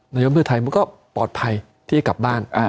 นายกเพื่อไทยมันก็ปลอดภัยที่จะกลับบ้าน